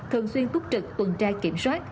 thường xuyên túc trực tuần tra kiểm soát